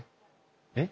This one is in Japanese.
えっ？